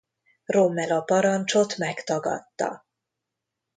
Rommel a parancsot megtagadta.